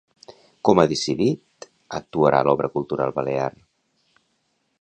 Com ha decidit actuarà l'Obra Cultural Balear?